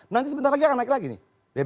nanti sebentar lagi akan naik lagi nih